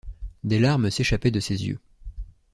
Des larmes s’échappaient de ses yeux.